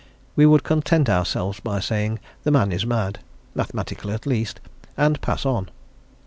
We would content ourselves by saying, 'The man is mad' mathematically, at least and pass on.